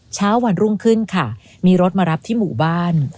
เช้าวันรุ่งขึ้นค่ะมีรถมารับที่หมู่บ้าน